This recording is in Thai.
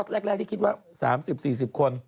แรกที่คิดว่า๓๐๔๐คน